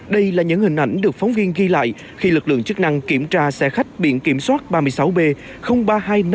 đây là những hình ảnh được phóng viên ghi lại khi lực lượng chức năng kiểm tra xe khách biển kiểm soát ba mươi sáu b ba nghìn hai trăm năm mươi